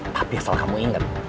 tapi asal kamu inget